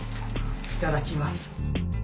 いただきます。